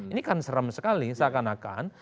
ini kan serem sekali seakan akan